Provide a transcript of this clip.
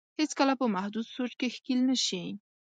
هېڅ کله په محدود سوچ کې ښکېل نه شي.